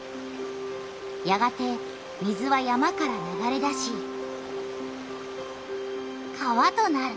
やがて水は山から流れ出し川となる。